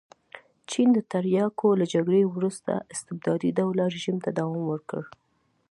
چین د تریاکو له جګړې وروسته استبدادي ډوله رژیم ته دوام ورکړ.